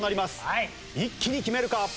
一気に決めるか？